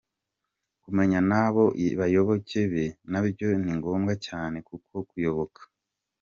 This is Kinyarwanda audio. Kumenya n’abo bayoboke be nabyo ni ngombwa cyane, kuko kuyoboka